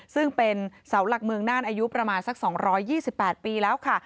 ซึ่งเป็นเสาหลักเมืองน่านอายุประมาณสัก๒๒๘ปีแล้วค่ะ